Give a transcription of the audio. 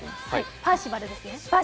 パーシバルです。